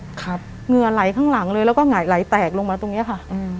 เหงื่อไหลข้างหลังเลยแล้วก็หงายไหลแตกลงมาตรงเนี้ยค่ะอืม